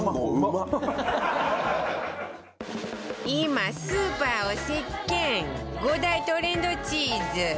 今スーパーを席巻５大トレンドチーズ